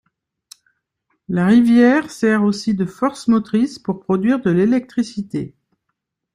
La rivière sert aussi de force motrice pour produire de l'électricité.